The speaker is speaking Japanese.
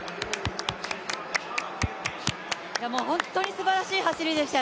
すばらしい走りでした。